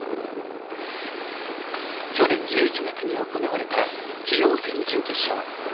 去年１１月に行われた棋王戦準決勝。